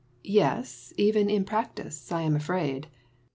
Yes, even in practice, I am afraid.